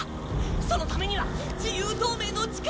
そのためには自由同盟の地下組織と。